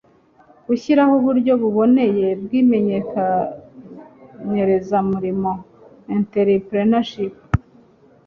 gushyiraho uburyo buboneye bw'imenyerezamurimo (internship